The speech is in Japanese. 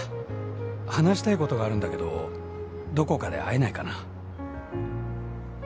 「話したいことがあるんだけどどこかで会えないかな」